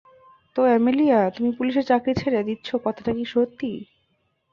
তো, অ্যামেলিয়া, তুমি পুলিশের চাকরি ছেড়ে দিচ্ছ কথাটি কী সত্যি?